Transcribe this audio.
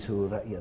bagi semua rakyat